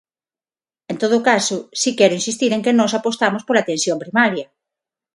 En todo caso, si quero insistir en que nós apostamos pola atención primaria.